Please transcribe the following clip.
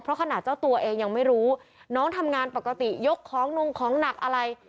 เพราะขณะเจ้าตัวเองยังไม่รู้น้องทำงานปกติยกของนงของหนักอะไร